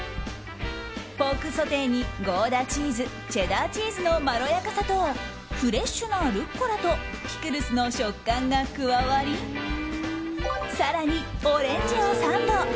ポークソテーに、ゴーダチーズチェダーチーズのまろやかさとフレッシュなルッコラとピクルスの食感が加わり更にオレンジをサンド。